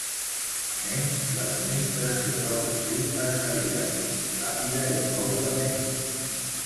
A més, l'administració del vaccí es faria més ràpida i còmodament.